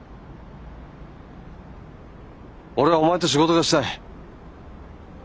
俺はお前と仕事がしたい。